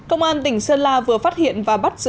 công an tỉnh sơn la vừa phát hiện và bắt giữ